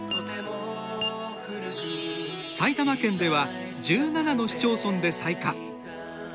埼玉県では１７の市町村で採火。